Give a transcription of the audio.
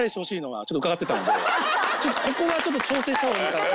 ここはちょっと調整した方がいいかと思いまして。